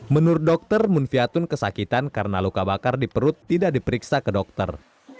menurut dokter munviatun kesakitan karena luka bakar di perut tidak diperiksa ke dokter